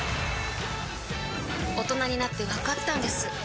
大人になってわかったんです